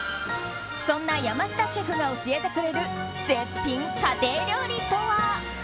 そんな山下シェフが教えてくれる絶品家庭料理とは？